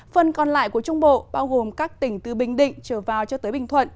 phần còn lại của trung bộ bao gồm các tỉnh từ bình định trở vào cho tới bình thuận